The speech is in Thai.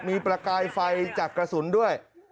มีประกายไฟจากกระสุนด้วย